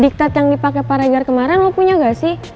diktat yang dipake paregar kemarin lo punya gak sih